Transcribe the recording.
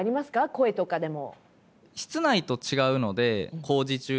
声とかでも。